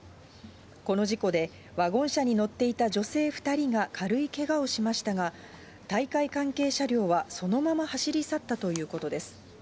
この事故で、ワゴン車に乗っていた女性２人が軽いけがをしましたが、大会関係車両はそのまま走り去ったということです。